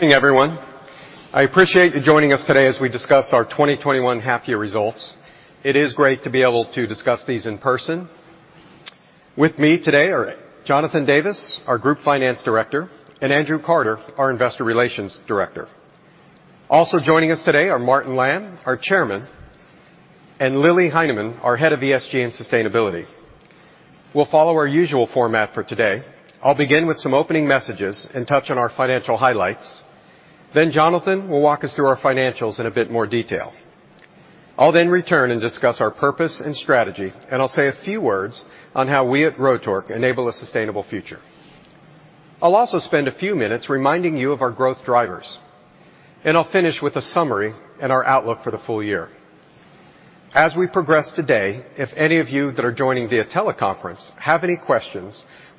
Good evening, everyone.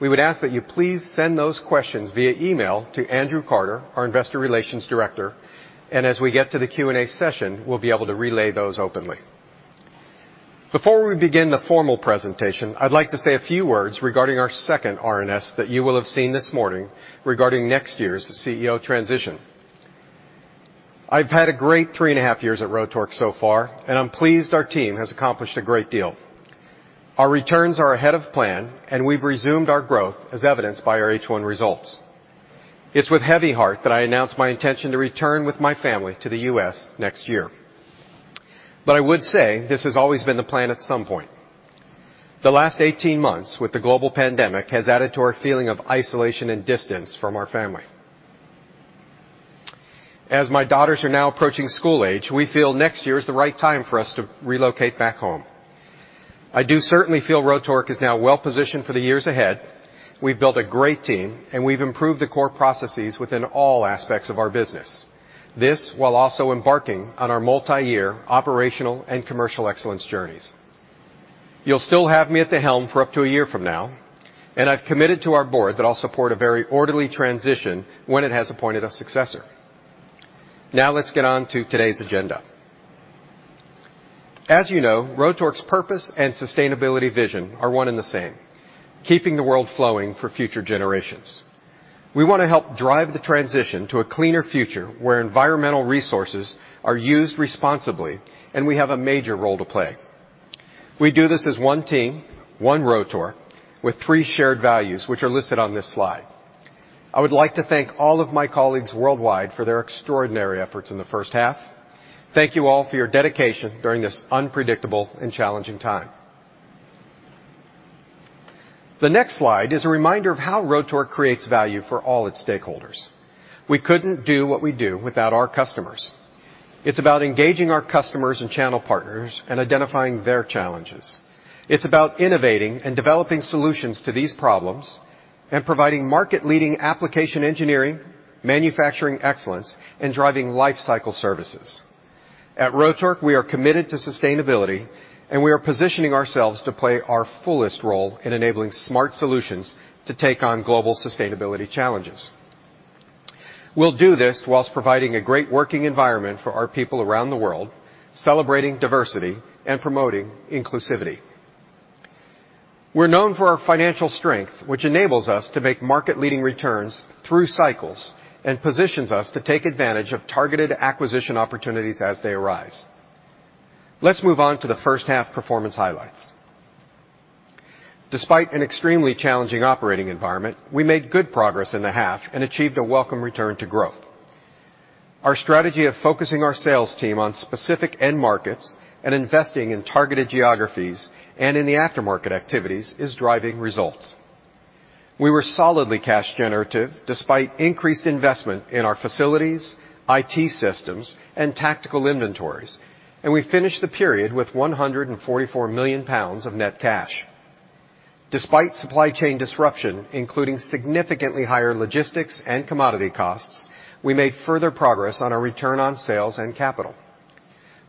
we would ask that you please send those questions via email to Andrew Carter, our Investor Relations Director, and as we get to the Q&A session, we'll be able to relay those openly. Before we begin the formal presentation, I'd like to say a few words regarding our second RNS that you will have seen this morning regarding next year's CEO transition. I've had a great three and a half years at Rotork so far, and I'm pleased our team has accomplished a great deal. Our returns are ahead of plan, and we've resumed our growth as evidenced by our H1 results. It's with heavy heart that I announce my intention to return with my family to the U.S. next year. I would say this has always been the plan at some point. The last 18 months with the global pandemic has added to our feeling of isolation and distance from our family. As my daughters are now approaching school age, we feel next year is the right time for us to relocate back home. I do certainly feel Rotork is now well-positioned for the years ahead. We've built a great team, and we've improved the core processes within all aspects of our business. This, while also embarking on our multi-year operational and commercial excellence journeys. You'll still have me at the helm for up to one year from now, and I've committed to our board that I'll support a very orderly transition when it has appointed a successor. Let's get on to today's agenda. As you know, Rotork's purpose and sustainability vision are one and the same, keeping the world flowing for future generations. We want to help drive the transition to a cleaner future where environmental resources are used responsibly, and we have a major role to play. We do this as one team, one Rotork, with three shared values, which are listed on this slide. I would like to thank all of my colleagues worldwide for their extraordinary efforts in the first half. Thank you all for your dedication during this unpredictable and challenging time. The next slide is a reminder of how Rotork creates value for all its stakeholders. We couldn't do what we do without our customers. It's about engaging our customers and channel partners and identifying their challenges. It's about innovating and developing solutions to these problems and providing market-leading application engineering, manufacturing excellence, and driving lifecycle services. At Rotork, we are committed to sustainability, and we are positioning ourselves to play our fullest role in enabling smart solutions to take on global sustainability challenges. We'll do this whilst providing a great working environment for our people around the world, celebrating diversity and promoting inclusivity. We're known for our financial strength, which enables us to make market-leading returns through cycles and positions us to take advantage of targeted acquisition opportunities as they arise. Let's move on to the first half performance highlights. Despite an extremely challenging operating environment, we made good progress in the half and achieved a welcome return to growth. Our strategy of focusing our sales team on specific end markets and investing in targeted geographies and in the aftermarket activities is driving results. We were solidly cash generative despite increased investment in our facilities, IT systems, and tactical inventories, and we finished the period with £144 million of net cash. Despite supply chain disruption, including significantly higher logistics and commodity costs, we made further progress on our return on sales and capital.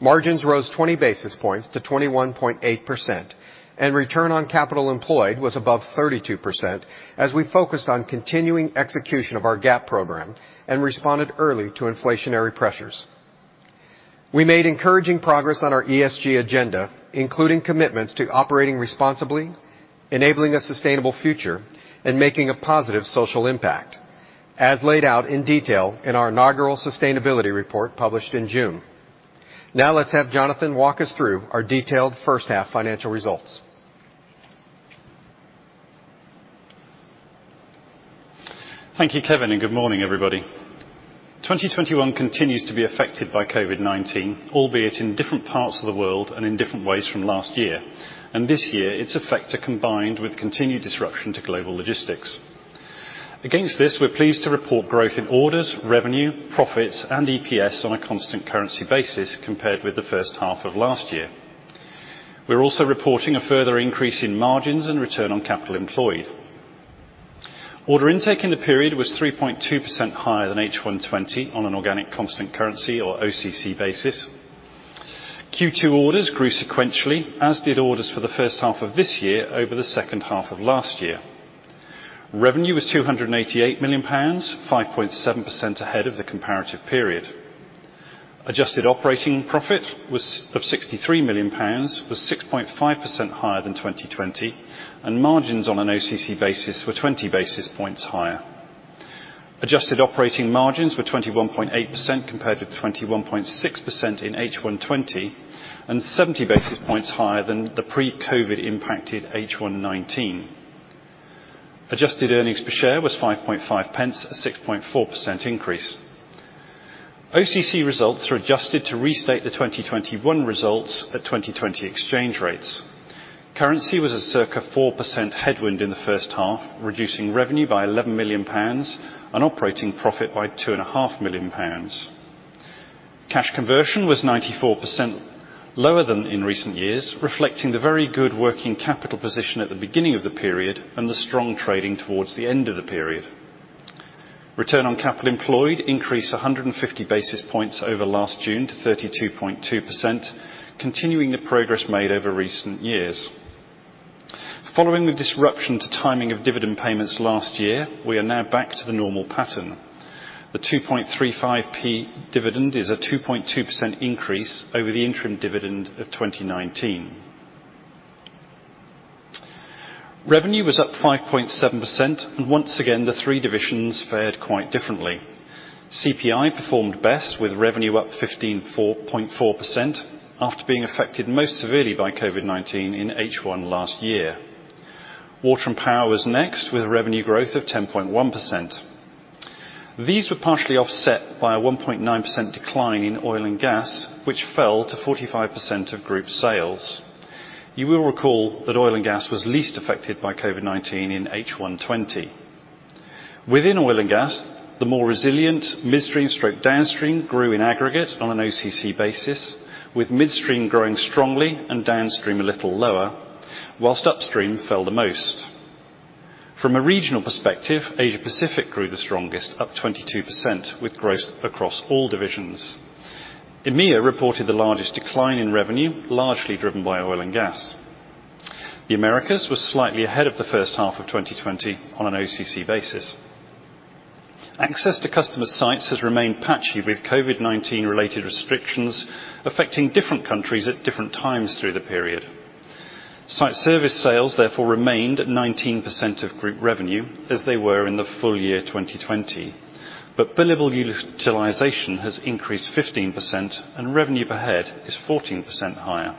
Margins rose 20 basis points to 21.8%, and return on capital employed was above 32% as we focused on continuing execution of our GAP program and responded early to inflationary pressures. We made encouraging progress on our ESG agenda, including commitments to operating responsibly, enabling a sustainable future, and making a positive social impact, as laid out in detail in our inaugural sustainability report published in June. Let's have Jonathan walk us through our detailed first half financial results. Thank you, Kevin. Good morning, everybody. 2021 continues to be affected by COVID-19, albeit in different parts of the world and in different ways from last year. This year, its effects are combined with continued disruption to global logistics. Against this, we're pleased to report growth in orders, revenue, profits, and EPS on a constant currency basis compared with the first half of last year. We're also reporting a further increase in margins and return on capital employed. Order intake in the period was 3.2% higher than H1 2020 on an organic constant currency or OCC basis. Q2 orders grew sequentially, as did orders for the first half of this year over the second half of last year. Revenue was £288 million, 5.7% ahead of the comparative period. Adjusted operating profit was of £63 million, was 6.5% higher than 2020, and margins on an OCC basis were 20 basis points higher. Adjusted operating margins were 21.8% compared to 21.6% in H1 2020, and 70 basis points higher than the pre-COVID impacted H1 2019. Adjusted earnings per share was 0.055, a 6.4% increase. OCC results are adjusted to restate the 2021 results at 2020 exchange rates. Currency was a circa 4% headwind in the first half, reducing revenue by £11 million and operating profit by £2.5 million. Cash conversion was 94% lower than in recent years, reflecting the very good working capital position at the beginning of the period and the strong trading towards the end of the period. Return on capital employed increased 150 basis points over last June to 32.2%, continuing the progress made over recent years. Following the disruption to timing of dividend payments last year, we are now back to the normal pattern. The 2.35p dividend is a 2.2% increase over the interim dividend of 2019. Revenue was up 5.7%, and once again, the three divisions fared quite differently. CPI performed best with revenue up 15.4% after being affected most severely by COVID-19 in H1 last year. Water and Power was next, with revenue growth of 10.1%. These were partially offset by a 1.9% decline in oil and gas, which fell to 45% of group sales. You will recall that oil and gas was least affected by COVID-19 in H1 2020. Within oil and gas, the more resilient midstream/downstream grew in aggregate on an OCC basis, with midstream growing strongly and downstream a little lower, whilst upstream fell the most. From a regional perspective, Asia Pacific grew the strongest, up 22%, with growth across all divisions. EMEA reported the largest decline in revenue, largely driven by oil and gas. The Americas was slightly ahead of the first half of 2020 on an OCC basis. Access to customer sites has remained patchy, with COVID-19 related restrictions affecting different countries at different times through the period. Site service sales therefore remained at 19% of group revenue as they were in the full year 2020, but billable utilization has increased 15% and revenue per head is 14% higher.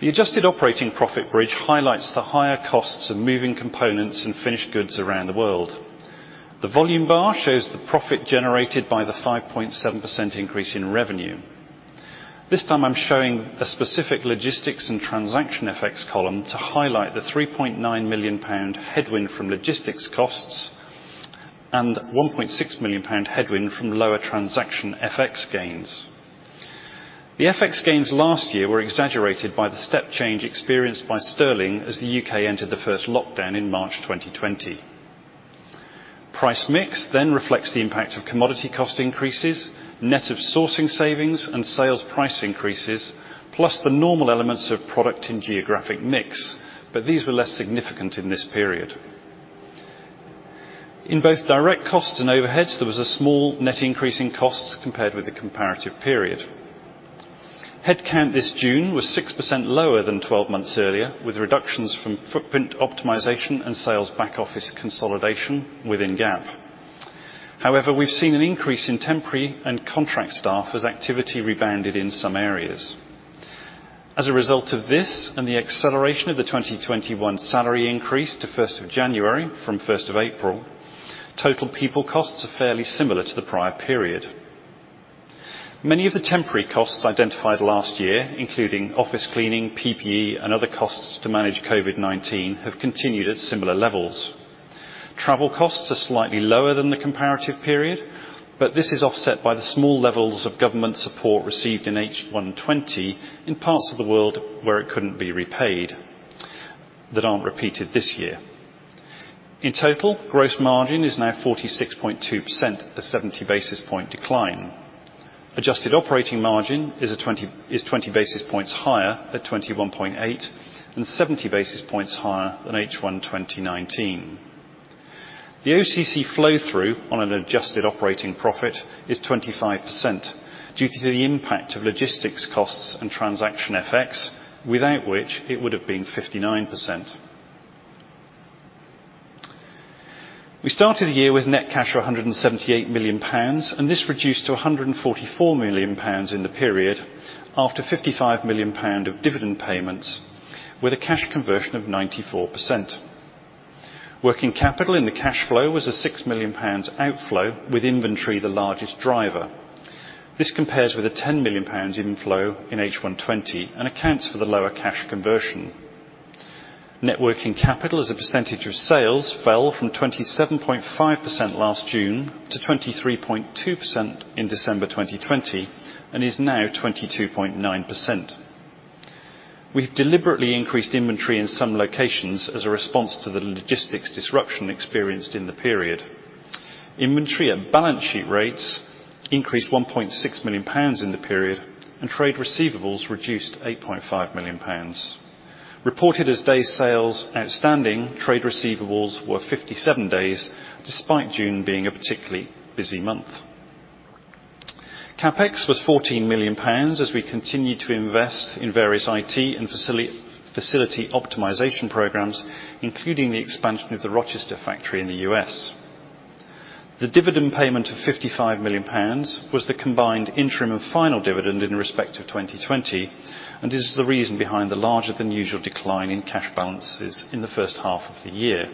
The adjusted operating profit bridge highlights the higher costs of moving components and finished goods around the world. The volume bar shows the profit generated by the 5.7% increase in revenue. This time, I'm showing a specific logistics and transaction effects column to highlight the 3.9 million pound headwind from logistics costs and 1.6 million pound headwind from lower transaction FX gains. The FX gains last year were exaggerated by the step change experienced by sterling as the U.K. entered the first lockdown in March 2020. Price mix reflects the impact of commodity cost increases, net of sourcing savings and sales price increases, plus the normal elements of product and geographic mix, but these were less significant in this period. In both direct costs and overheads, there was a small net increase in costs compared with the comparative period. Headcount this June was 6% lower than 12 months earlier, with reductions from footprint optimization and sales back office consolidation within GAP. We've seen an increase in temporary and contract staff as activity rebounded in some areas. As a result of this and the acceleration of the 2021 salary increase to 1st of January from 1st of April, total people costs are fairly similar to the prior period. Many of the temporary costs identified last year, including office cleaning, PPE, and other costs to manage COVID-19, have continued at similar levels. Travel costs are slightly lower than the comparative period, but this is offset by the small levels of government support received in H1 2020 in parts of the world where it couldn't be repaid that aren't repeated this year. In total, gross margin is now 46.2%, a 70 basis point decline. Adjusted operating margin is 20 basis points higher at 21.8%, and 70 basis points higher than H1 2019. The OCC flow-through on an adjusted operating profit is 25% due to the impact of logistics costs and transaction FX, without which it would have been 59%. We started the year with net cash of 178 million pounds, and this reduced to 144 million pounds in the period after 55 million pound of dividend payments, with a cash conversion of 94%. Working capital in the cash flow was a 6 million pounds outflow, with inventory the largest driver. This compares with a 10 million pounds inflow in H1 2020 and accounts for the lower cash conversion. Net working capital as a percentage of sales fell from 27.5% last June to 23.2% in December 2020 and is now 22.9%. We've deliberately increased inventory in some locations as a response to the logistics disruption experienced in the period. Inventory at balance sheet rates increased 1.6 million pounds in the period, and trade receivables reduced 8.5 million pounds. Reported as days sales outstanding, trade receivables were 57 days despite June being a particularly busy month. CapEx was 14 million pounds as we continued to invest in various IT and facility optimization programs, including the expansion of the Rochester factory in the U.S. The dividend payment of 55 million pounds was the combined interim and final dividend in respect of 2020, and is the reason behind the larger than usual decline in cash balances in the first half of the year.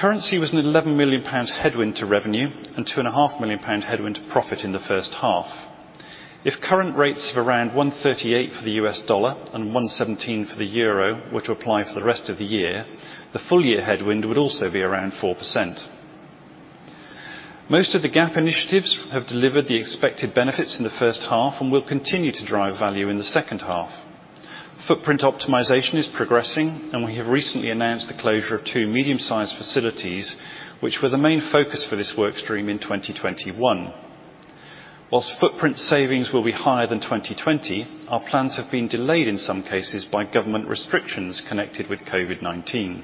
Currency was an 11 million pound headwind to revenue and 2.5 million pound headwind profit in the first half. If current rates of around 138 for the U.S. dollar and 117 for the euro were to apply for the rest of the year, the full year headwind would also be around 4%. Most of the GAP initiatives have delivered the expected benefits in the first half and will continue to drive value in the second half. Footprint optimization is progressing, and we have recently announced the closure of two medium-sized facilities, which were the main focus for this workstream in 2021. Whilst footprint savings will be higher than 2020, our plans have been delayed in some cases by government restrictions connected with COVID-19.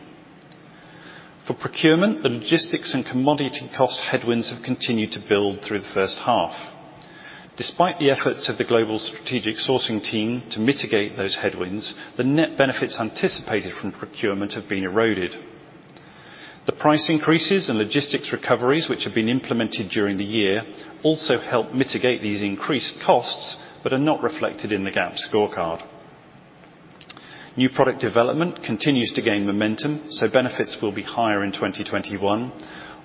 For procurement, the logistics and commodity cost headwinds have continued to build through the first half. Despite the efforts of the global strategic sourcing team to mitigate those headwinds, the net benefits anticipated from procurement have been eroded. The price increases and logistics recoveries, which have been implemented during the year, also help mitigate these increased costs, but are not reflected in the GAP scorecard. New product development continues to gain momentum, so benefits will be higher in 2021,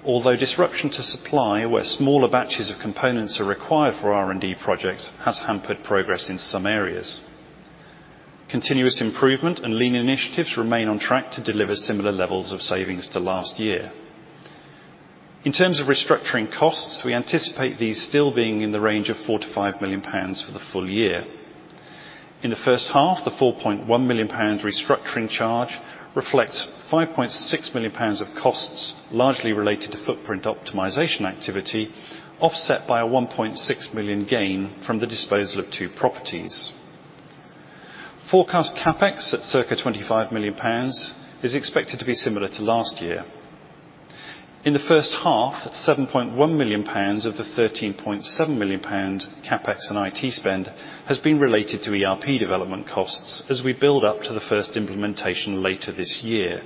although disruption to supply where smaller batches of components are required for R&D projects has hampered progress in some areas. Continuous improvement and lean initiatives remain on track to deliver similar levels of savings to last year. In terms of restructuring costs, we anticipate these still being in the range of 4 million-5 million pounds for the full year. In the first half, the 4.1 million pounds restructuring charge reflects 5.6 million pounds of costs, largely related to footprint optimization activity, offset by a 1.6 million gain from the disposal of two properties. Forecast CapEx at circa 25 million pounds is expected to be similar to last year. In the first half, 7.1 million pounds of the 13.7 million pounds CapEx and IT spend has been related to ERP development costs as we build up to the first implementation later this year.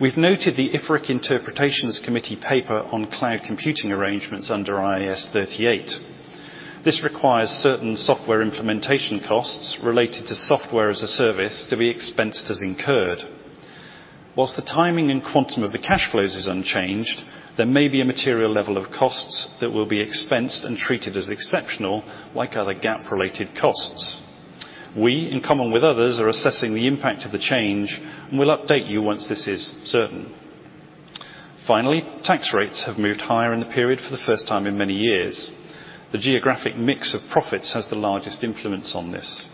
We've noted the IFRIC Interpretations Committee paper on cloud computing arrangements under IAS 38. This requires certain software implementation costs related to software as a service to be expensed as incurred. While the timing and quantum of the cash flows is unchanged, there may be a material level of costs that will be expensed and treated as exceptional like other GAAP-related costs. We, in common with others, are assessing the impact of the change, and we'll update you once this is certain. Finally, tax rates have moved higher in the period for the first time in many years. The geographic mix of profits has the largest influence on this.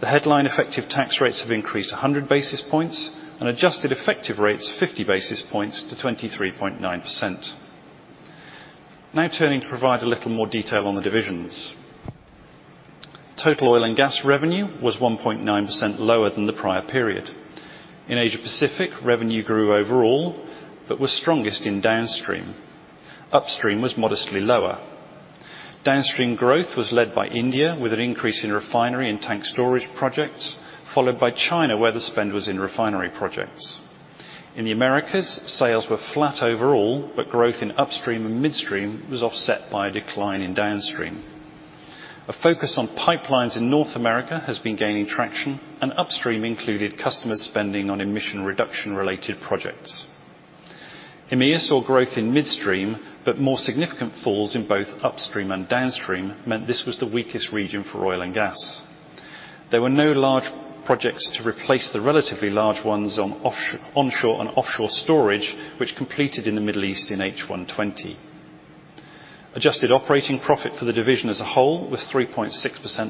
The headline effective tax rates have increased 100 basis points and adjusted effective rates 50 basis points to 23.9%. Turning to provide a little more detail on the divisions. Total oil and gas revenue was 1.9% lower than the prior period. In Asia-Pacific, revenue grew overall but was strongest in downstream. Upstream was modestly lower. Downstream growth was led by India with an increase in refinery and tank storage projects, followed by China, where the spend was in refinery projects. In the Americas, sales were flat overall, but growth in upstream and midstream was offset by a decline in downstream. A focus on pipelines in North America has been gaining traction, and upstream included customer spending on emission reduction related projects. EMEA saw growth in midstream, but more significant falls in both upstream and downstream meant this was the weakest region for oil and gas. There were no large projects to replace the relatively large ones on onshore and offshore storage, which completed in the Middle East in H1 2020. Adjusted operating profit for the division as a whole was 3.6%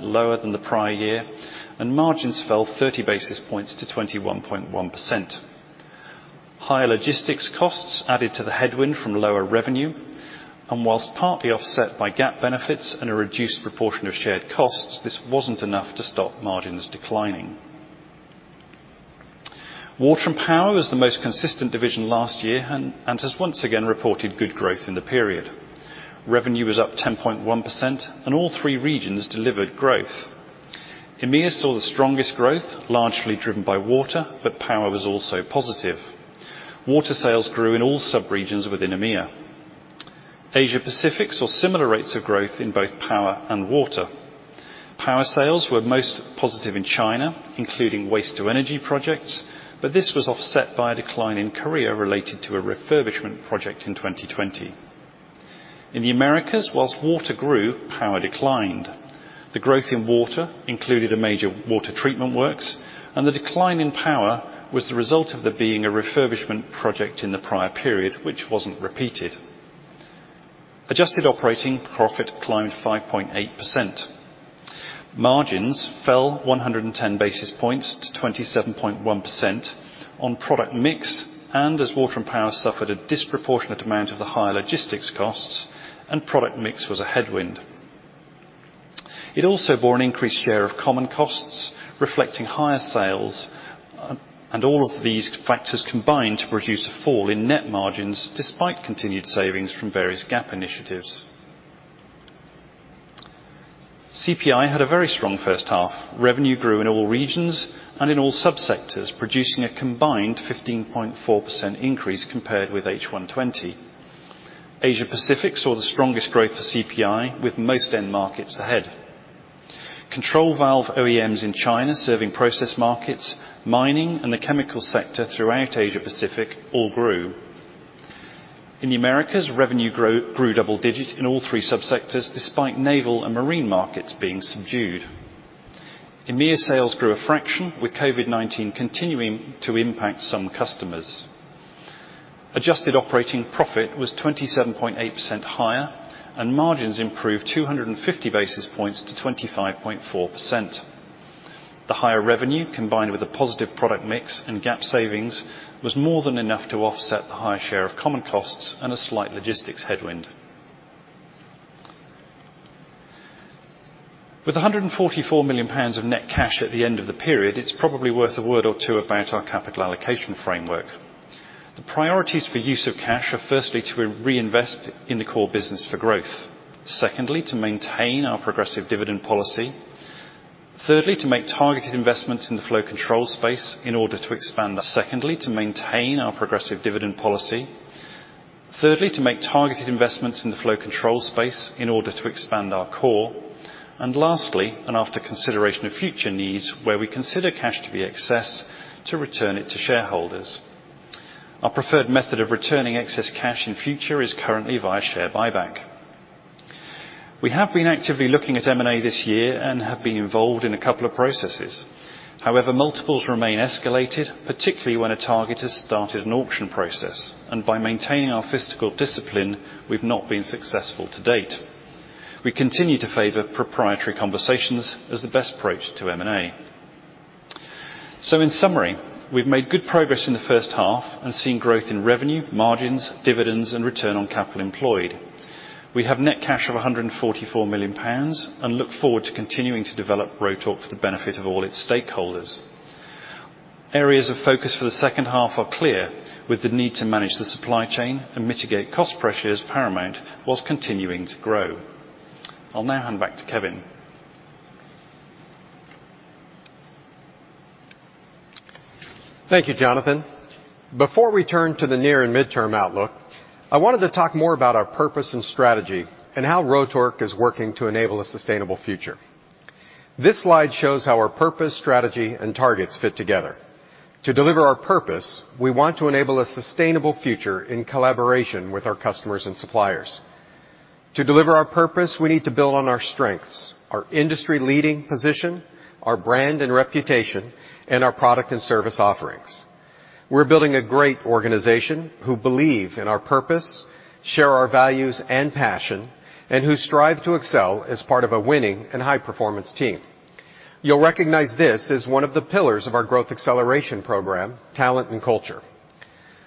lower than the prior year, and margins fell 30 basis points to 21.1%. Higher logistics costs added to the headwind from lower revenue, whilst partly offset by GAP benefits and a reduced proportion of shared costs, this wasn't enough to stop margins declining. Water and Power was the most consistent division last year has once again reported good growth in the period. Revenue was up 10.1%, all three regions delivered growth. EMEA saw the strongest growth, largely driven by water, power was also positive. Water sales grew in all sub-regions within EMEA. Asia-Pacific saw similar rates of growth in both power and water. Power sales were most positive in China, including waste to energy projects, this was offset by a decline in Korea related to a refurbishment project in 2020. In the Americas, whilst water grew, power declined. The growth in water included a major water treatment works, the decline in power was the result of there being a refurbishment project in the prior period, which wasn't repeated. Adjusted operating profit climbed 5.8%. Margins fell 110 basis points to 27.1% on product mix and as Water and Power suffered a disproportionate amount of the higher logistics costs and product mix was a headwind. It also bore an increased share of common costs reflecting higher sales, all of these factors combined to produce a fall in net margins despite continued savings from various GAP initiatives. CPI had a very strong first half. Revenue grew in all regions and in all sub-sectors, producing a combined 15.4% increase compared with H1 2020. Asia Pacific saw the strongest growth for CPI, with most end markets ahead. Control valve OEMs in China serving process markets, mining, and the chemical sector throughout Asia Pacific all grew. In the Americas, revenue grew double-digits in all three sub-sectors despite naval and marine markets being subdued. EMEA sales grew a fraction, with COVID-19 continuing to impact some customers. Adjusted operating profit was 27.8% higher and margins improved 250 basis points to 25.4%. The higher revenue, combined with a positive product mix and GAP savings, was more than enough to offset the higher share of common costs and a slight logistics headwind. With 144 million pounds of net cash at the end of the period, it's probably worth a word or two about our capital allocation framework. The priorities for use of cash are firstly to reinvest in the core business for growth. Secondly, to maintain our progressive dividend policy. Thirdly, to make targeted investments in the flow control space in order to expand our core. Lastly, after consideration of future needs where we consider cash to be excess, to return it to shareholders. Our preferred method of returning excess cash in future is currently via share buyback. We have been actively looking at M&A this year and have been involved in a couple of processes. Multiples remain escalated, particularly when a target has started an auction process. By maintaining our fiscal discipline, we've not been successful to date. We continue to favor proprietary conversations as the best approach to M&A. In summary, we've made good progress in the first half and seen growth in revenue, margins, dividends, and return on capital employed. We have net cash of 144 million pounds and look forward to continuing to develop Rotork for the benefit of all its stakeholders. Areas of focus for the second half are clear, with the need to manage the supply chain and mitigate cost pressures paramount while continuing to grow. I'll now hand back to Kevin. Thank you, Jonathan. Before we turn to the near and midterm outlook, I wanted to talk more about our purpose and strategy and how Rotork is working to enable a sustainable future. This slide shows how our purpose, strategy, and targets fit together. To deliver our purpose, we want to enable a sustainable future in collaboration with our customers and suppliers. To deliver our purpose, we need to build on our strengths, our industry-leading position, our brand and reputation, and our product and service offerings. We're building a great organization who believe in our purpose, share our values and passion, and who strive to excel as part of a winning and high-performance team. You'll recognize this as one of the pillars of our Growth Acceleration Program, talent, and culture.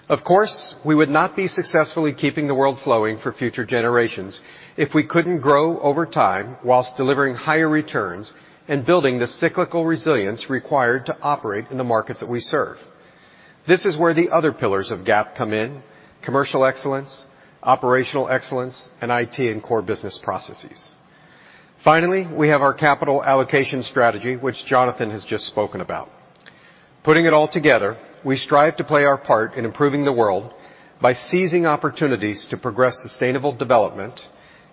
Of course, we would not be successfully keeping the world flowing for future generations if we couldn't grow over time while delivering higher returns and building the cyclical resilience required to operate in the markets that we serve. This is where the other pillars of GAP come in: commercial excellence, operational excellence, and IT and core business processes. We have our capital allocation strategy, which Jonathan has just spoken about. Putting it all together, we strive to play our part in improving the world by seizing opportunities to progress sustainable development,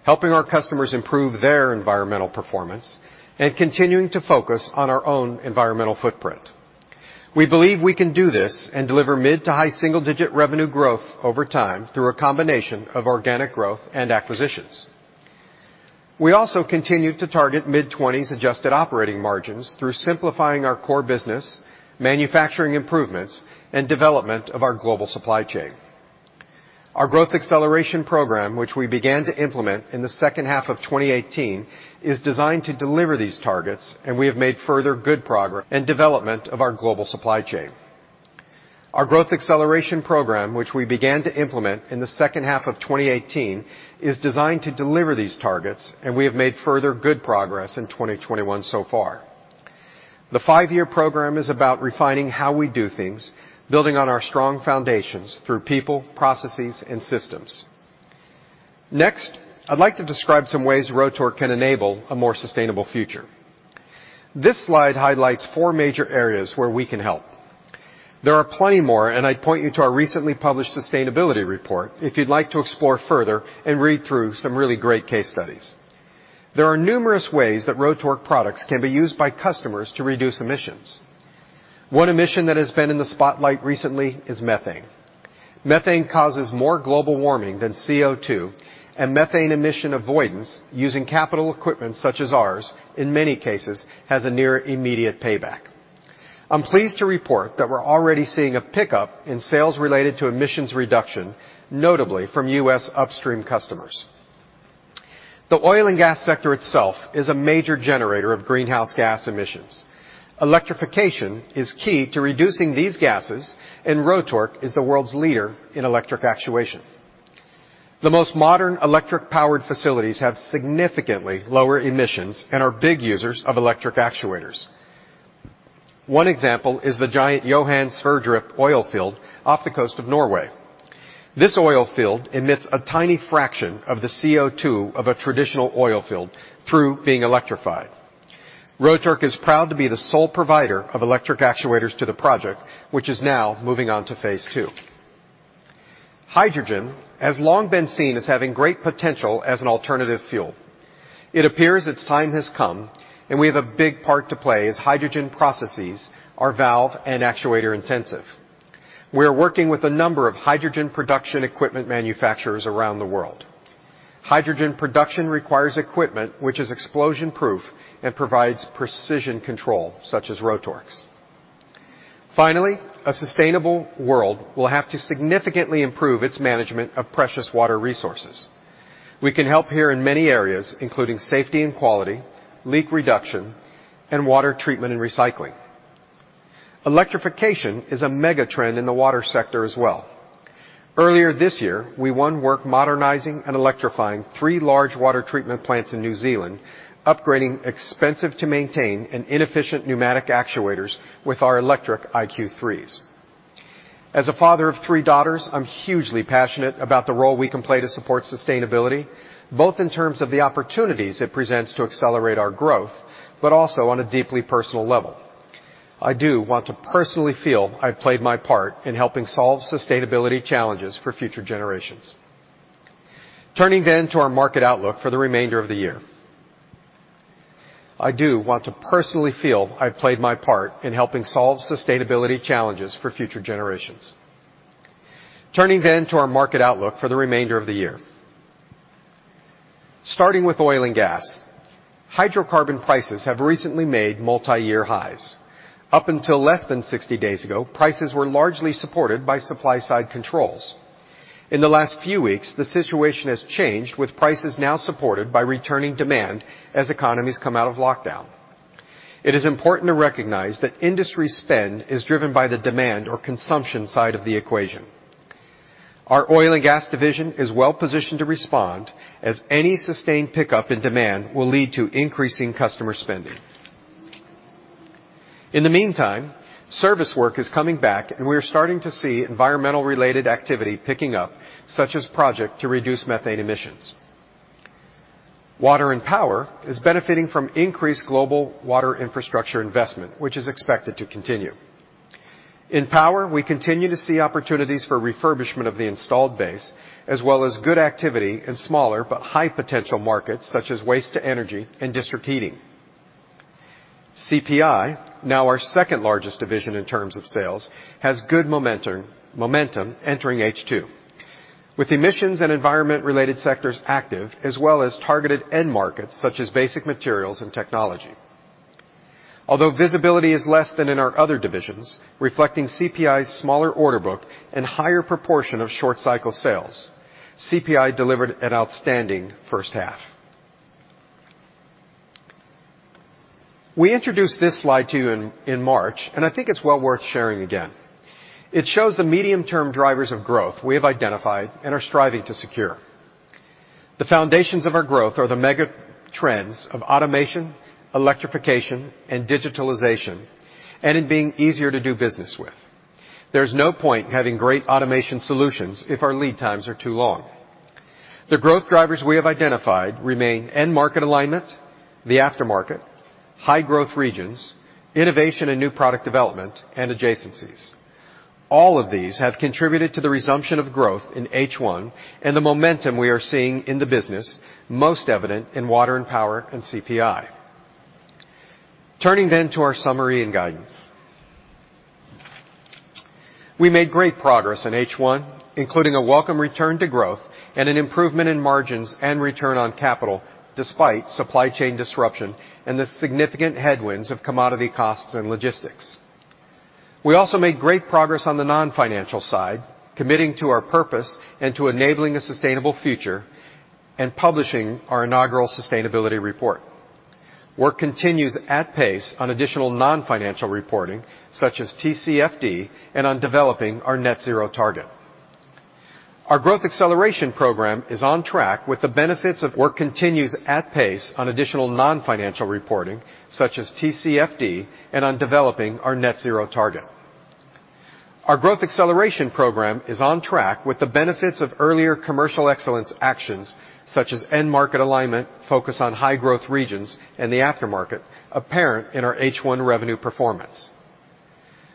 helping our customers improve their environmental performance, and continuing to focus on our own environmental footprint. We believe we can do this and deliver mid to high single digit revenue growth over time through a combination of organic growth and acquisitions. We also continue to target mid-20s adjusted operating margins through simplifying our core business, manufacturing improvements, and development of our global supply chain. Our Growth Acceleration Programme, which we began to implement in the second half of 2018, is designed to deliver these targets. We have made further good progress in 2021 so far. The five-year program is about refining how we do things, building on our strong foundations through people, processes, and systems. I'd like to describe some ways Rotork can enable a more sustainable future. This slide highlights four major areas where we can help. There are plenty more. I'd point you to our recently published sustainability report if you'd like to explore further and read through some really great case studies. There are numerous ways that Rotork products can be used by customers to reduce emissions. One emission that has been in the spotlight recently is methane. Methane causes more global warming than CO2, and methane emission avoidance using capital equipment such as ours, in many cases, has a near immediate payback. I'm pleased to report that we're already seeing a pickup in sales related to emissions reduction, notably from U.S. upstream customers. The oil and gas sector itself is a major generator of greenhouse gas emissions. Electrification is key to reducing these gases, and Rotork is the world's leader in electric actuation. The most modern electric-powered facilities have significantly lower emissions and are big users of electric actuators. One example is the giant Johan Sverdrup oil field off the coast of Norway. This oil field emits a tiny fraction of the CO2 of a traditional oil field through being electrified. Rotork is proud to be the sole provider of electric actuators to the project, which is now moving on to phase II. Hydrogen has long been seen as having great potential as an alternative fuel. It appears its time has come, and we have a big part to play, as hydrogen processes are valve and actuator-intensive. We're working with a number of hydrogen production equipment manufacturers around the world. Hydrogen production requires equipment which is explosion-proof and provides precision control, such as Rotork's. Finally, a sustainable world will have to significantly improve its management of precious water resources. We can help here in many areas, including safety and quality, leak reduction, and water treatment and recycling. Electrification is a mega-trend in the water sector as well. Earlier this year, we won work modernizing and electrifying three large water treatment plants in New Zealand, upgrading expensive-to-maintain and inefficient pneumatic actuators with our electric IQ3s. As a father of three daughters, I'm hugely passionate about the role we can play to support sustainability, both in terms of the opportunities it presents to accelerate our growth, but also on a deeply personal level. I do want to personally feel I've played my part in helping solve sustainability challenges for future generations. Turning to our market outlook for the remainder of the year. I do want to personally feel I've played my part in helping solve sustainability challenges for future generations. Turning to our market outlook for the remainder of the year. Starting with oil and gas. Hydrocarbon prices have recently made multiyear highs. Up until less than 60 days ago, prices were largely supported by supply-side controls. In the last few weeks, the situation has changed, with prices now supported by returning demand as economies come out of lockdown. It is important to recognize that industry spend is driven by the demand or consumption side of the equation. Our oil and gas division is well positioned to respond, as any sustained pickup in demand will lead to increasing customer spending. In the meantime, service work is coming back, and we are starting to see environmental-related activity picking up, such as project to reduce methane emissions. Water and power is benefiting from increased global water infrastructure investment, which is expected to continue. In power, we continue to see opportunities for refurbishment of the installed base, as well as good activity in smaller but high-potential markets, such as waste to energy and district heating. CPI, now our second-largest division in terms of sales, has good momentum entering H2, with emissions and environment-related sectors active, as well as targeted end markets, such as basic materials and technology. Although visibility is less than in our other divisions, reflecting CPI's smaller order book and higher proportion of short-cycle sales, CPI delivered an outstanding first half. We introduced this slide to you in March, and I think it's well worth sharing again. It shows the medium-term drivers of growth we have identified and are striving to secure. The foundations of our growth are the mega trends of automation, electrification, and digitalization, and in being easier to do business with. There's no point in having great automation solutions if our lead times are too long. The growth drivers we have identified remain end market alignment, the aftermarket, high-growth regions, innovation and new product development, and adjacencies. All of these have contributed to the resumption of growth in H1 and the momentum we are seeing in the business, most evident in water and power and CPI. Turning to our summary and guidance. We made great progress in H1, including a welcome return to growth and an improvement in margins and return on capital, despite supply chain disruption and the significant headwinds of commodity costs and logistics. We also made great progress on the non-financial side, committing to our purpose and to enabling a sustainable future, and publishing our inaugural sustainability report. Work continues at pace on additional non-financial reporting, such as TCFD, and on developing our net zero target. Our Growth Acceleration Programme is on track with the benefits of. Our Growth Acceleration Programme is on track with the benefits of earlier commercial excellence actions, such as end market alignment, focus on high-growth regions, and the aftermarket, apparent in our H1 revenue performance.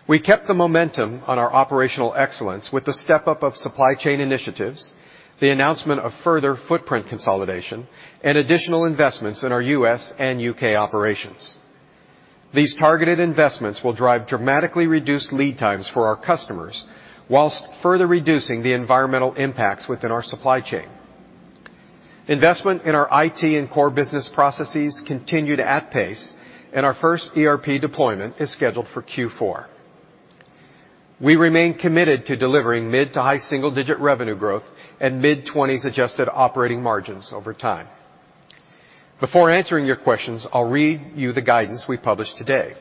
We kept the momentum on our operational excellence with the step-up of supply chain initiatives, the announcement of further footprint consolidation, and additional investments in our U.S. and U.K. operations. These targeted investments will drive dramatically reduced lead times for our customers while further reducing the environmental impacts within our supply chain. Investment in our IT and core business processes continued at pace, and our first ERP deployment is scheduled for Q4. We remain committed to delivering mid to high single-digit revenue growth and mid-20s adjusted operating margins over time. Before answering your questions, I'll read you the guidance we published today.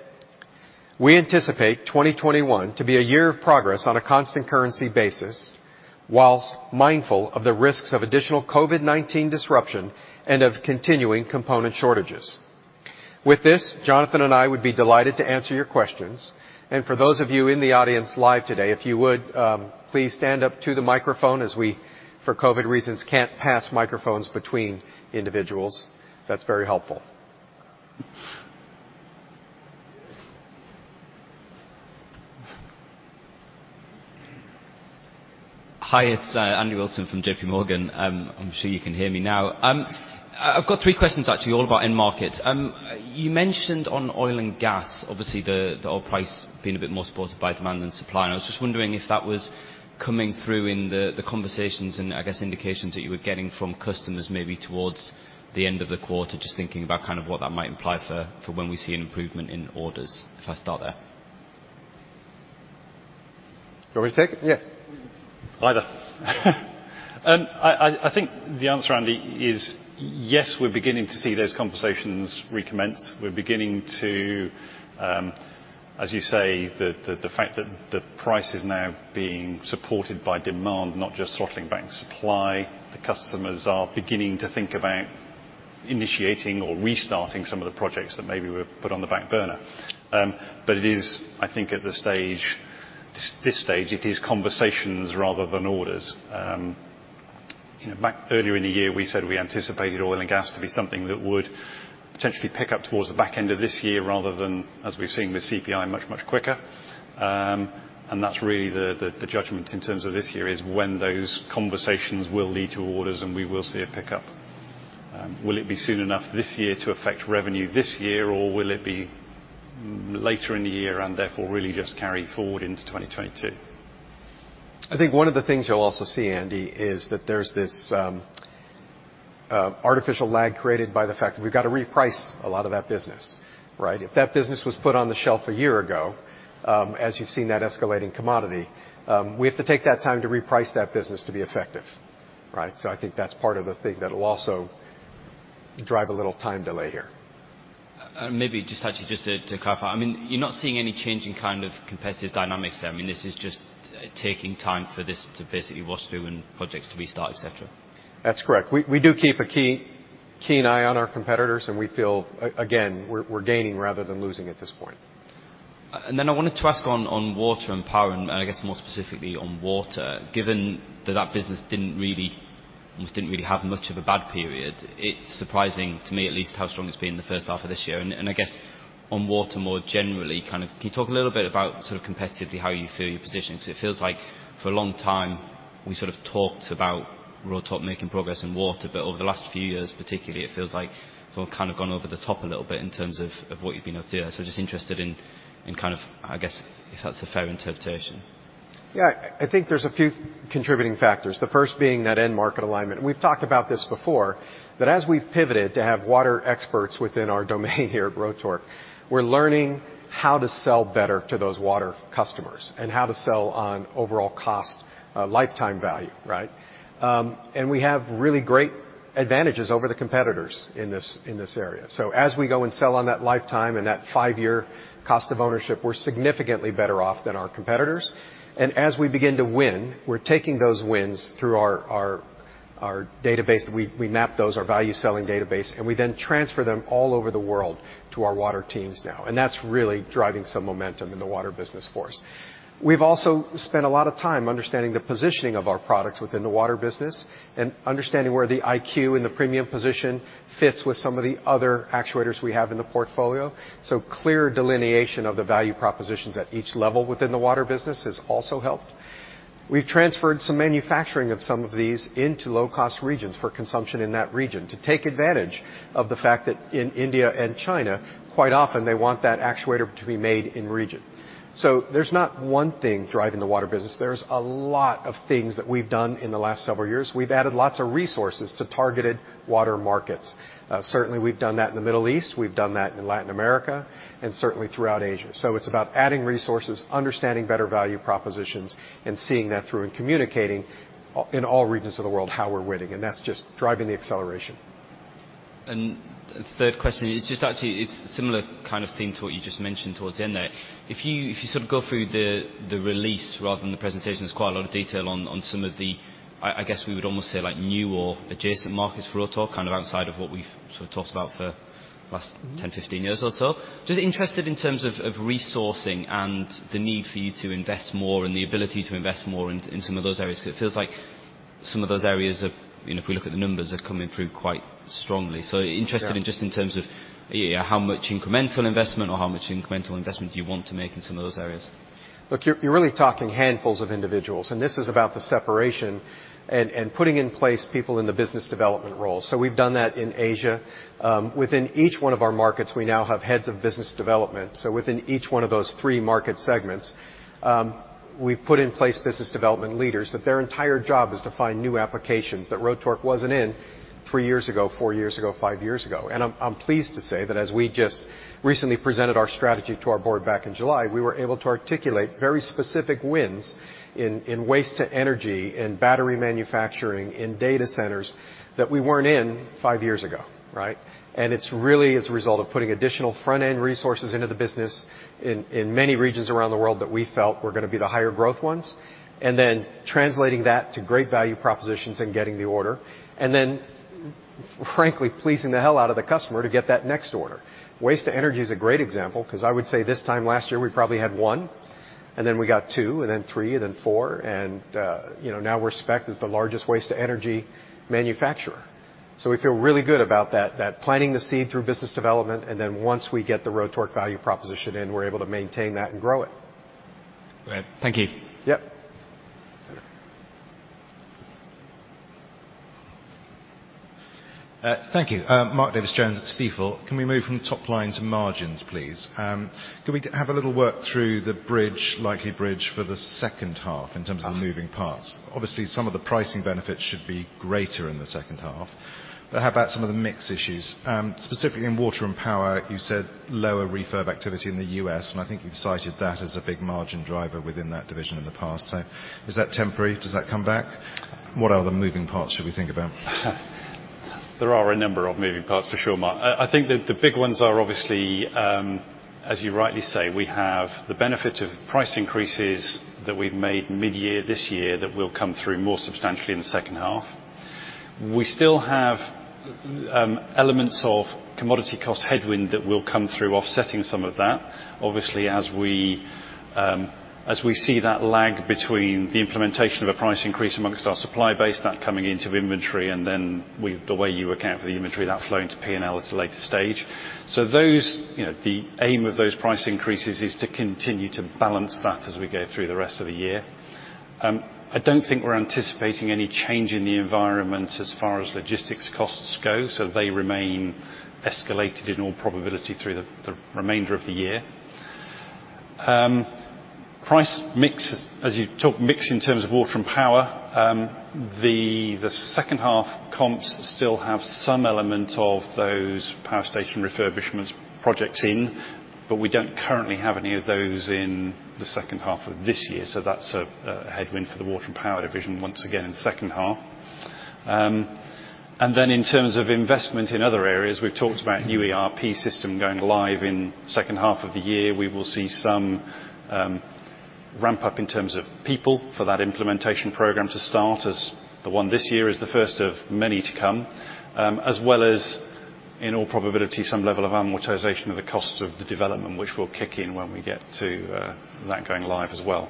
We anticipate 2021 to be a year of progress on a constant currency basis, while mindful of the risks of additional COVID-19 disruption and of continuing component shortages. With this, Jonathan and I would be delighted to answer your questions. For those of you in the audience live today, if you would, please stand up to the microphone as we, for COVID reasons, can't pass microphones between individuals. That's very helpful. Hi, it's Andy Wilson from JP Morgan. I'm sure you can hear me now. I've got three questions, actually, all about end markets. You mentioned on oil and gas, obviously, the oil price being a bit more supported by demand than supply, and I was just wondering if that was coming through in the conversations and indications that you were getting from customers maybe towards the end of the quarter. Just thinking about what that might imply for when we see an improvement in orders. If I start there. Do you want me to take it? Yeah. Either. I think the answer, Andy, is yes, we're beginning to see those conversations recommence. We're beginning to, as you say, the fact that the price is now being supported by demand, not just throttling back supply. The customers are beginning to think about initiating or restarting some of the projects that maybe were put on the back burner. It is, I think, at this stage, it is conversations rather than orders. Back earlier in the year, we said we anticipated oil and gas to be something that would potentially pick up towards the back end of this year, rather than, as we've seen with CPI, much, much quicker. That's really the judgment in terms of this year, is when those conversations will lead to orders and we will see a pickup. Will it be soon enough this year to affect revenue this year, or will it be later in the year and therefore really just carry forward into 2022? I think one of the things you'll also see, Andy, is that there's this artificial lag created by the fact that we've got to reprice a lot of that business, right? If that business was put on the shelf a year ago, as you've seen that escalating commodity, we have to take that time to reprice that business to be effective. Right? I think that's part of the thing that'll also drive a little time delay here. Maybe just actually just to clarify, you are not seeing any change in competitive dynamics there? This is just taking time for this to basically wash through and projects to restart, et cetera? That's correct. We do keep a keen eye on our competitors, and we feel, again, we're gaining rather than losing at this point. Then I wanted to ask on water and power, and I guess more specifically on water, given that that business almost didn't really have much of a bad period, it's surprising, to me at least, how strong it's been in the first half of this year. I guess on water more generally, can you talk a little bit about sort of competitively how you feel you're positioned? It feels like for a long time we sort of talked about Rotork making progress in water. Over the last few years, particularly, it feels like you've all kind of gone over the top a little bit in terms of what you've been able to do. Just interested in if that's a fair interpretation. Yeah. I think there's a few contributing factors. The first being that end market alignment. We've talked about this before, that as we've pivoted to have water experts within our domain here at Rotork, we're learning how to sell better to those water customers and how to sell on overall cost lifetime value. Right? We have really great advantages over the competitors in this area. As we go and sell on that lifetime and that five-year cost of ownership, we're significantly better off than our competitors. As we begin to win, we're taking those wins through our database. We map those, our value selling database, and we then transfer them all over the world to our water teams now. That's really driving some momentum in the water business for us. We've also spent a lot of time understanding the positioning of our products within the water business and understanding where the IQ and the premium position fits with some of the other actuators we have in the portfolio. Clear delineation of the value propositions at each level within the water business has also helped. We've transferred some manufacturing of some of these into low-cost regions for consumption in that region to take advantage of the fact that in India and China, quite often they want that actuator to be made in region. There's not one thing driving the water business. There's a lot of things that we've done in the last several years. We've added lots of resources to targeted water markets. Certainly, we've done that in the Middle East, we've done that in Latin America, and certainly throughout Asia. It's about adding resources, understanding better value propositions, and seeing that through and communicating in all regions of the world how we're winning, and that's just driving the acceleration. Third question is just actually, it's a similar kind of thing to what you just mentioned towards the end there. If you sort of go through the release rather than the presentation, there's quite a lot of detail on some of the, I guess we would almost say new or adjacent markets for Rotork, kind of outside of what we've sort of talked about for the last 10, 15 years or so. Just interested in terms of resourcing and the need for you to invest more and the ability to invest more in some of those areas, because it feels like some of those areas have, if we look at the numbers, have come improved quite strongly. Interested in just in terms of how much incremental investment or how much incremental investment do you want to make in some of those areas? You are really talking handfuls of individuals, and this is about the separation and putting in place people in the business development role. We have done that in Asia. Within each one of our markets, we now have heads of business development, within each one of those three market segments. We put in place business development leaders, that their entire job is to find new applications that Rotork wasn't in three years ago, four years ago, five years ago. I'm pleased to say that as we just recently presented our strategy to our board back in July, we were able to articulate very specific wins in waste to energy, in battery manufacturing, in data centers, that we weren't in five years ago. Right? It's really as a result of putting additional front-end resources into the business in many regions around the world that we felt were going to be the higher growth ones, then translating that to great value propositions and getting the order, then frankly, pleasing the hell out of the customer to get that next order. Waste to energy is a great example, because I would say this time last year, we probably had one, then we got two, then three, then four. Now we're spec'd as the largest waste to energy manufacturer. We feel really good about that, planting the seed through business development, then once we get the Rotork value proposition in, we're able to maintain that and grow it. Great. Thank you. Yep. Thank you. Mark Davies Jones at Stifel. Can we move from top line to margins, please? Can we have a little work through the likely bridge for the second half in terms of the moving parts? Obviously, some of the pricing benefits should be greater in the second half, but how about some of the mix issues? Specifically in water and power, you said lower refurb activity in the U.S., and I think you've cited that as a big margin driver within that division in the past. Is that temporary? Does that come back? What other moving parts should we think about? There are a number of moving parts, for sure, Mark. The big ones are obviously, as you rightly say, we have the benefit of price increases that we've made mid-year this year that will come through more substantially in the second half. We still have elements of commodity cost headwind that will come through offsetting some of that. As we see that lag between the implementation of a price increase amongst our supply base, that coming into inventory, and then the way you account for the inventory, that flowing to P&L at a later stage. The aim of those price increases is to continue to balance that as we go through the rest of the year. I don't think we're anticipating any change in the environment as far as logistics costs go, they remain escalated in all probability through the remainder of the year. Price mix, as you talk mix in terms of water and power, the second half comps still have some element of those power station refurbishments projects in, but we don't currently have any of those in the second half of this year. That's a headwind for the water and power division once again in the second half. In terms of investment in other areas, we've talked about new ERP system going live in second half of the year. We will see some ramp up in terms of people for that implementation program to start, as the one this year is the first of many to come, as well as, in all probability, some level of amortization of the cost of the development, which will kick in when we get to that going live as well.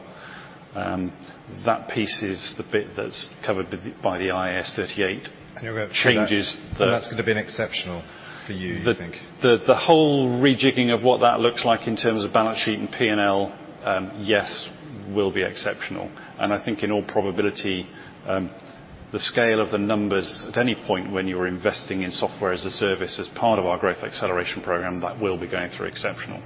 That piece is the bit that's covered by the IAS 38 changes. That's going to be an exceptional for you think? The whole rejigging of what that looks like in terms of balance sheet and P&L, yes, will be exceptional. I think in all probability, the scale of the numbers at any point when you're investing in software as a service, as part of our Growth Acceleration Programme, that will be going through exceptional.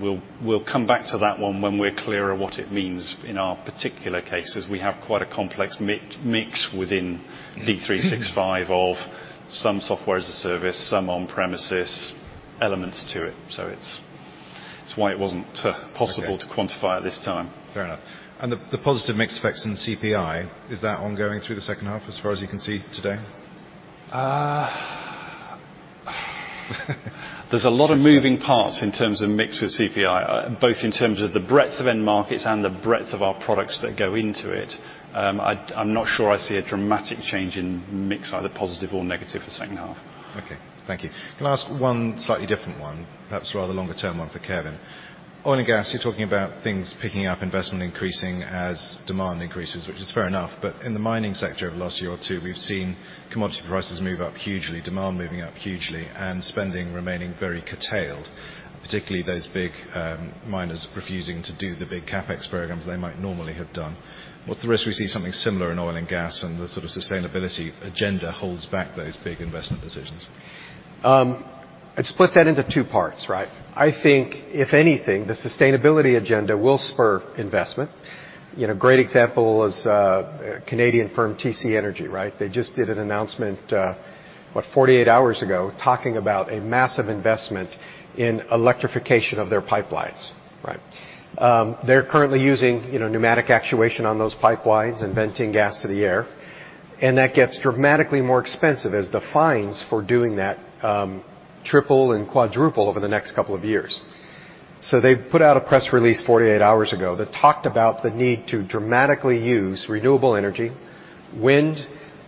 We'll come back to that one when we're clearer what it means in our particular cases. We have quite a complex mix within Dynamics 365 of some software as a service, some on-premises elements to it. It's why it wasn't possible to quantify at this time. Fair enough. The positive mix effects in CPI, is that ongoing through the second half as far as you can see today? There's a lot of moving parts in terms of mix with CPI, both in terms of the breadth of end markets and the breadth of our products that go into it. I'm not sure I see a dramatic change in mix, either positive or negative, for second half. Okay. Thank you. Can I ask one slightly different one, perhaps rather longer term one for Kevin. Oil and gas, you're talking about things picking up, investment increasing as demand increases, which is fair enough. In the mining sector over the last year or two, we've seen commodity prices move up hugely, demand moving up hugely, and spending remaining very curtailed, particularly those big miners refusing to do the big CapEx programs they might normally have done. What's the risk we see something similar in oil and gas and the sort of sustainability agenda holds back those big investment decisions? I'd split that into two parts. I think if anything, the sustainability agenda will spur investment. Great example is a Canadian firm, TC Energy. They just did an announcement, what 48 hours ago, talking about a massive investment in electrification of their pipelines. They're currently using pneumatic actuation on those pipelines and venting gas to the air, and that gets dramatically more expensive as the fines for doing that triple and quadruple over the next couple of years. They put out a press release 48 hours ago that talked about the need to dramatically use renewable energy, wind,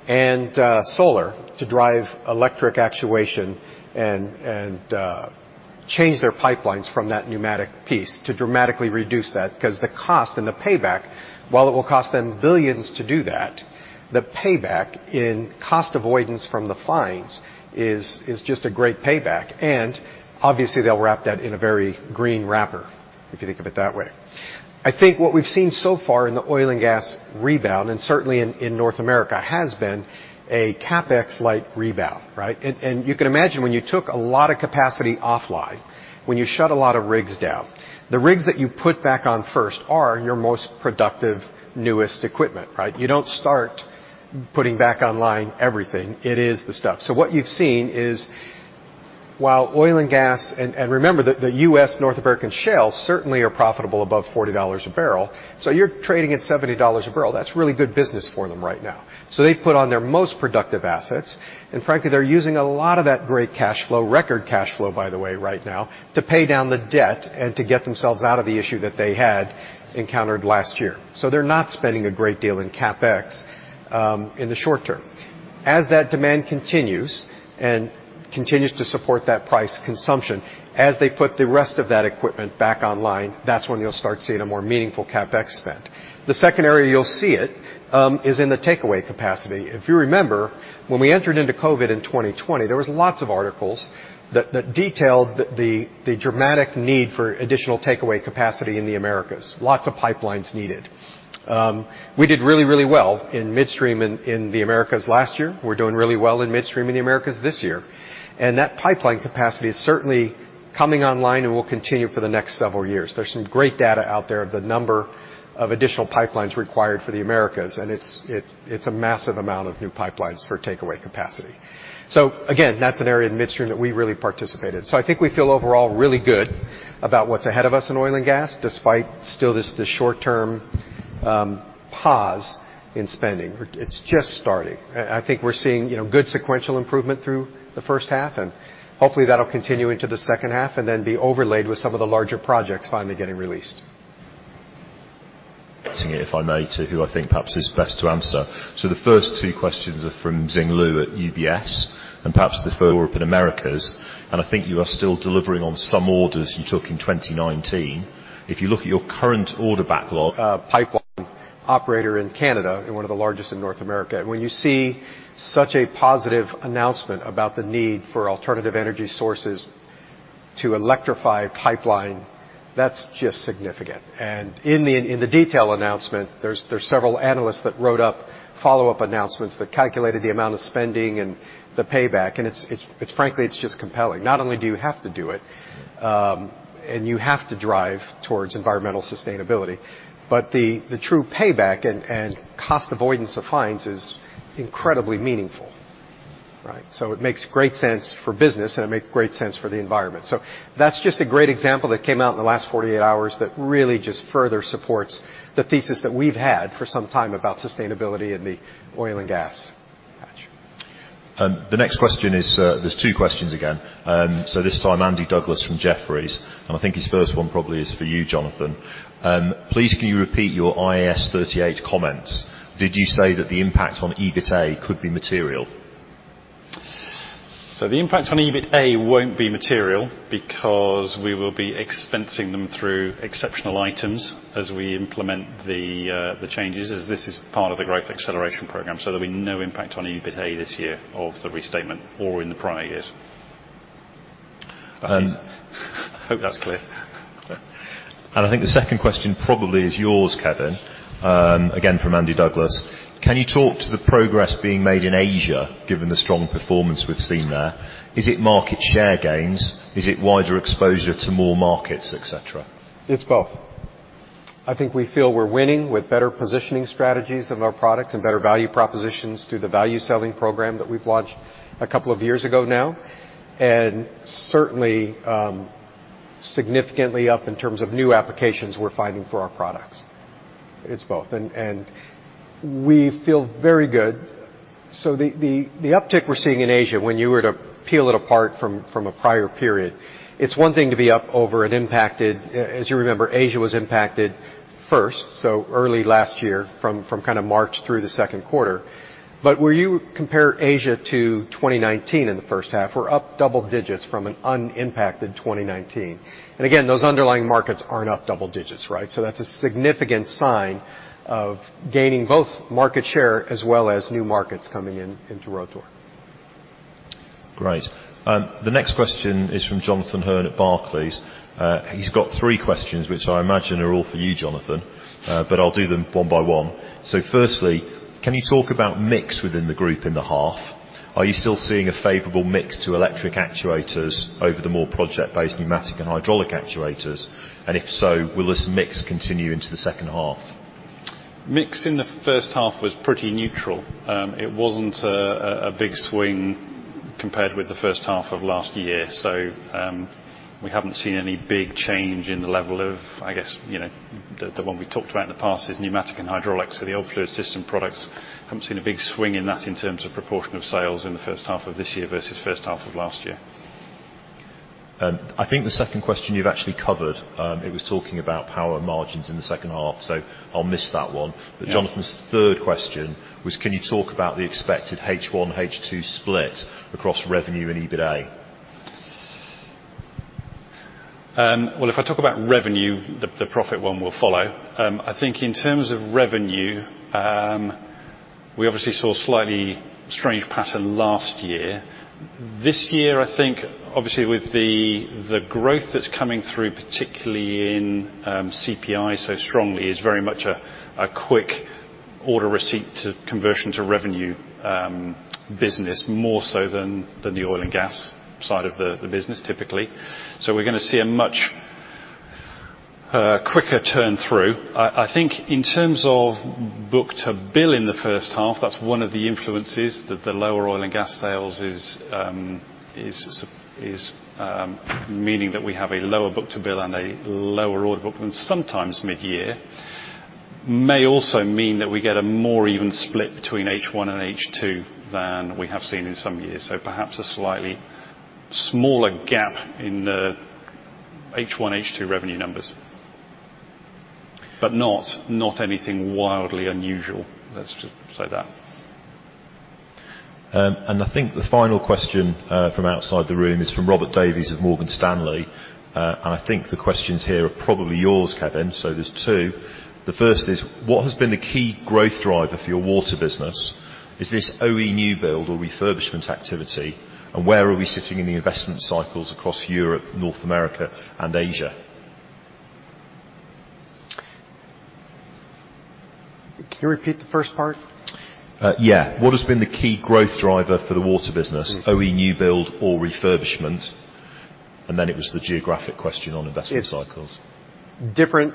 and solar to drive electric actuation and change their pipelines from that pneumatic piece to dramatically reduce that, because the cost and the payback, while it will cost them billions to do that, the payback in cost avoidance from the fines is just a great payback. Obviously they'll wrap that in a very green wrapper, if you think of it that way. I think what we've seen so far in the oil and gas rebound, and certainly in North America, has been a CapEx-like rebound. Right? You can imagine when you took a lot of capacity offline, when you shut a lot of rigs down, the rigs that you put back on first are your most productive, newest equipment. Right? You don't start putting back online everything. It is the stuff. What you've seen is while oil and gas. Remember that the U.S., North American shale certainly are profitable above $40 a barrel. You're trading at $70 a barrel. That's really good business for them right now. They put on their most productive assets, and frankly, they're using a lot of that great cash flow, record cash flow, by the way, right now, to pay down the debt and to get themselves out of the issue that they had encountered last year. They're not spending a great deal in CapEx in the short term. As that demand continues and continues to support that price consumption, as they put the rest of that equipment back online, that's when you'll start seeing a more meaningful CapEx spend. The second area you'll see it is in the takeaway capacity. If you remember, when we entered into COVID-19 in 2020, there was lots of articles that detailed the dramatic need for additional takeaway capacity in the Americas. Lots of pipelines needed. We did really, really well in midstream in the Americas last year. We're doing really well in midstream in the Americas this year. That pipeline capacity is certainly coming online and will continue for the next several years. There's some great data out there of the number of additional pipelines required for the Americas, and it's a massive amount of new pipelines for takeaway capacity. Again, that's an area in midstream that we really participate in. I think we feel overall really good about what's ahead of us in oil and gas, despite still this short-term pause in spending. It's just starting. I think we're seeing good sequential improvement through the first half, and hopefully, that'll continue into the second half and then be overlaid with some of the larger projects finally getting released. If I may, to who I think perhaps is best to answer. The first two questions are from Xing Lu at UBS, and perhaps the further up in Americas, and I think you are still delivering on some orders you took in 2019. If you look at your current order backlog. A pipeline operator in Canada and one of the largest in North America. When you see such a positive announcement about the need for alternative energy sources to electrify pipeline, that's just significant. In the detail announcement, there's several analysts that wrote up follow-up announcements that calculated the amount of spending and the payback, and frankly, it's just compelling. Not only do you have to do it, and you have to drive towards environmental sustainability, but the true payback and cost avoidance of fines is incredibly meaningful. Right? It makes great sense for business, and it makes great sense for the environment. That's just a great example that came out in the last 48 hours that really just further supports the thesis that we've had for some time about sustainability in the oil and gas patch. There's two questions again. This time, Andy Douglas from Jefferies, I think his first one probably is for you, Jonathan. Please can you repeat your IAS 38 comments. Did you say that the impact on EBITA could be material? The impact on EBITA won't be material because we will be expensing them through exceptional items as we implement the changes, as this is part of the Growth Acceleration Programme. There'll be no impact on EBITA this year of the restatement or in the prior years. I see. I hope that's clear. I think the second question probably is yours, Kevin, again from Andy Douglas. Can you talk to the progress being made in Asia, given the strong performance we've seen there? Is it market share gains? Is it wider exposure to more markets, et cetera? It's both. I think we feel we're winning with better positioning strategies of our products and better value propositions through the value selling program that we've launched a couple of years ago now. Certainly, significantly up in terms of new applications we're finding for our products. It's both. We feel very good. The uptick we're seeing in Asia, when you were to peel it apart from a prior period, it's one thing to be up over an impacted-- As you remember, Asia was impacted first, so early last year from kind of March through the second quarter. Where you compare Asia to 2019 in the first half, we're up double digits from an unimpacted 2019. Again, those underlying markets aren't up double digits. Right? That's a significant sign of gaining both market share as well as new markets coming in into Rotork. Great. The next question is from Jonathan Hearn at Barclays. He's got three questions, which I imagine are all for you, Jonathan. I'll do them one by one. Firstly, can you talk about mix within the group in the half? Are you still seeing a favorable mix to electric actuators over the more project-based pneumatic and hydraulic actuators? If so, will this mix continue into the second half? Mix in the first half was pretty neutral. It wasn't a big swing compared with the first half of last year. We haven't seen any big change in the level of, I guess, the one we talked about in the past is pneumatic and hydraulics. The old fluid system products, haven't seen a big swing in that in terms of proportion of sales in the first half of this year versus first half of last year. I think the second question you've actually covered. It was talking about power margins in the second half. I'll miss that one. Yeah. Jonathan's third question was, can you talk about the expected H1, H2 split across revenue and EBITA? If I talk about revenue, the profit one will follow. I think in terms of revenue. We obviously saw a slightly strange pattern last year. This year, I think, obviously with the growth that's coming through, particularly in CPI so strongly, is very much a quick order receipt to conversion to revenue business, more so than the oil and gas side of the business typically. We're going to see a much quicker turn through. I think in terms of book-to-bill in the first half, that's one of the influences, that the lower oil and gas sales is meaning that we have a lower book-to-bill and a lower order book than sometimes mid-year. May also mean that we get a more even split between H1 and H2 than we have seen in some years. Perhaps a slightly smaller gap in the H1, H2 revenue numbers. Not anything wildly unusual. Let's just say that. I think the final question from outside the room is from Robert Davies at Morgan Stanley. I think the questions here are probably yours, Kevin. There's two. The first is, what has been the key growth driver for your water business? Is this OE new build or refurbishment activity? Where are we sitting in the investment cycles across Europe, North America and Asia? Can you repeat the first part? Yeah. What has been the key growth driver for the water business, OE new build or refurbishment? Then it was the geographic question on investment cycles. It's different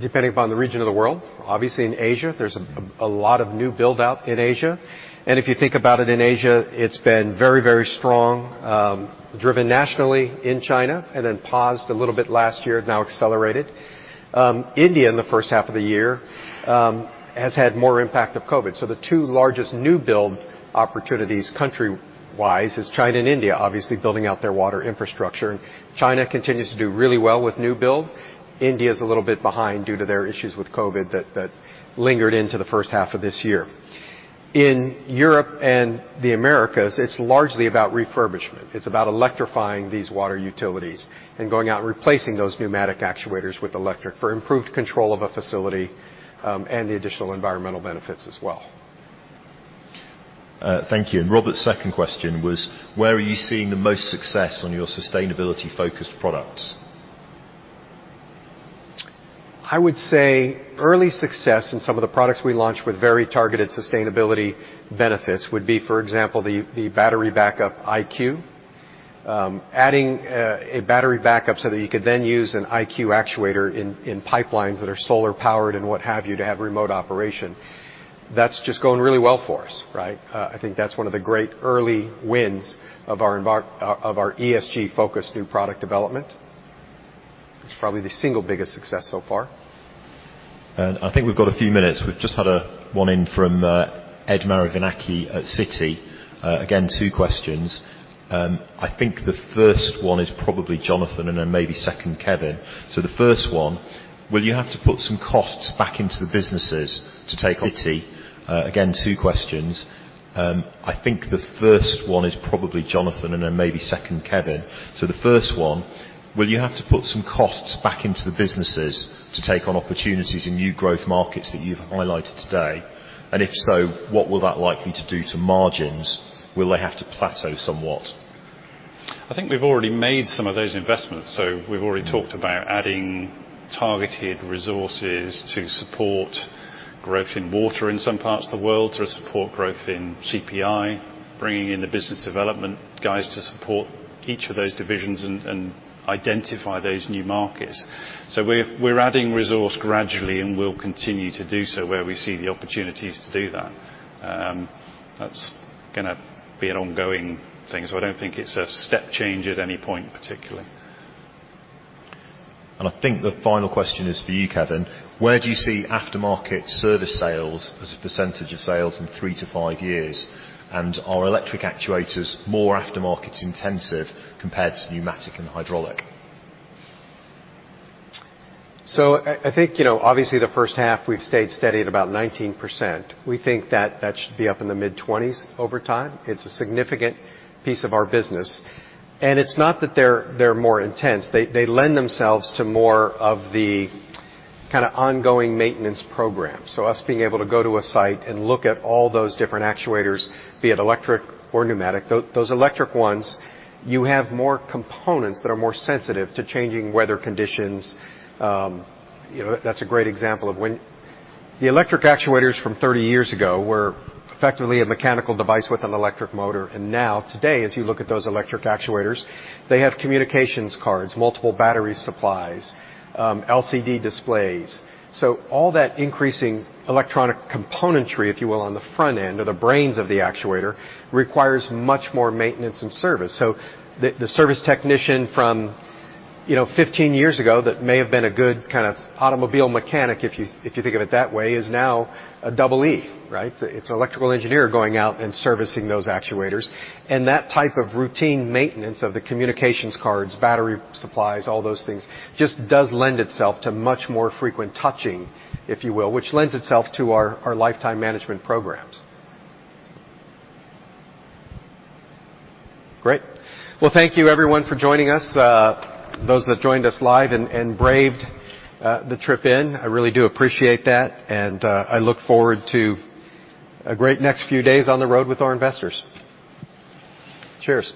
depending upon the region of the world. Obviously in Asia, there's a lot of new build-out in Asia. If you think about it in Asia, it's been very strong, driven nationally in China, then paused a little bit last year, now accelerated. India in the first half of the year has had more impact of COVID. The two largest new build opportunities country-wise is China and India, obviously building out their water infrastructure. China continues to do really well with new build. India's a little bit behind due to their issues with COVID that lingered into the first half of this year. In Europe and the Americas, it's largely about refurbishment. It's about electrifying these water utilities and going out and replacing those pneumatic actuators with electric for improved control of a facility, and the additional environmental benefits as well. Thank you. Robert's second question was, where are you seeing the most success on your sustainability-focused products? I would say early success in some of the products we launched with very targeted sustainability benefits would be, for example, the battery backup IQ, adding a battery backup so that you could then use an IQ actuator in pipelines that are solar powered and what have you to have remote operation. That's just going really well for us. I think that's one of the great early wins of our ESG-focused new product development. It's probably the single biggest success so far. I think we've got a few minutes. We've just had one in from Ed Maroukanis at Citi. Again, two questions. I think the first one is probably Jonathan, then maybe second Kevin. The first one, will you have to put some costs back into the businesses to take on opportunities in new growth markets that you've highlighted today? If so, what will that likely to do to margins? Will they have to plateau somewhat? I think we've already made some of those investments. We've already talked about adding targeted resources to support growth in water in some parts of the world, to support growth in CPI, bringing in the business development guys to support each of those divisions and identify those new markets. We're adding resource gradually, and we'll continue to do so where we see the opportunities to do that. That's going to be an ongoing thing, so I don't think it's a step change at any point particularly. I think the final question is for you, Kevin, where do you see aftermarket service sales as a percentage of sales in three to five years? Are electric actuators more aftermarket intensive compared to pneumatic and hydraulic? I think, obviously the first half we've stayed steady at about 19%. We think that that should be up in the mid-20s over time. It's a significant piece of our business. It's not that they're more intense. They lend themselves to more of the kind of ongoing maintenance program. Us being able to go to a site and look at all those different actuators, be it electric or pneumatic. Those electric ones, you have more components that are more sensitive to changing weather conditions. That's a great example of when the electric actuators from 30 years ago were effectively a mechanical device with an electric motor. Now today, as you look at those electric actuators, they have communications cards, multiple battery supplies, LCD displays. All that increasing electronic componentry, if you will, on the front end of the brains of the actuator, requires much more maintenance and service. The service technician from 15 years ago that may have been a good kind of automobile mechanic, if you think of it that way, is now a double E, right? It's an electrical engineer going out and servicing those actuators. That type of routine maintenance of the communications cards, battery supplies, all those things, just does lend itself to much more frequent touching, if you will, which lends itself to our lifetime management programs. Great. Well, thank you everyone for joining us. Those that joined us live and braved the trip in, I really do appreciate that, and I look forward to a great next few days on the road with our investors. Cheers.